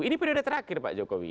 ini periode terakhir pak jokowi